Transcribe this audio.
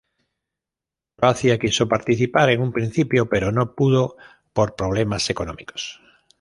Croacia quiso participar en un principio, pero no pudo por problemas económicos.